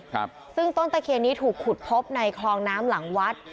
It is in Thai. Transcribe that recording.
ครับซึ่งต้นตะเคียนนี้ถูกขุดพบในคลองน้ำหลังวัด